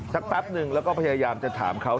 แป๊บนึงแล้วก็พยายามจะถามเขา